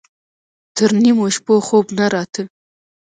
تر نيمو شپو خوب نه راته.